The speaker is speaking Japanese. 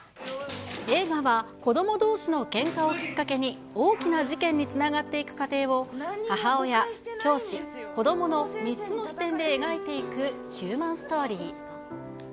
映画は、子どもどうしのけんかをきっかけに、大きな事件につながっていく過程を、母親、教師、子どもの３つの視点で描いていくヒューマンストーリー。